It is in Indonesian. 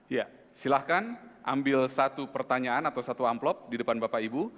ya silahkan ambil satu pertanyaan atau satu amplop di depan bapak ibu